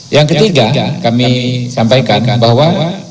yang ketiga kami sampaikan bahwa